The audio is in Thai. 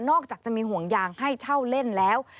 จากจะมีห่วงยางให้เช่าเล่นแล้ว